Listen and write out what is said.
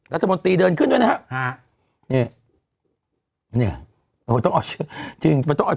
รัฐมนตรีเดินขึ้นด้วยนะฮะนี่เนี่ยเออต้องออกชื่อจริงมันต้องเอา